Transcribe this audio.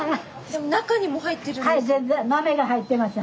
中にも入ってるんです。